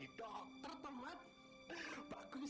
alhamdulillah ya ibu